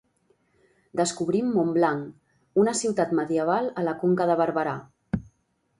Descobrim Montblanc, una ciutat medieval a la Conca de Barberà.